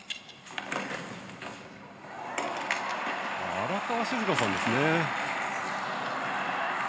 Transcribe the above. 荒川静香さんですね。